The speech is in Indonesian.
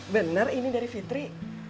bener ini dari fitri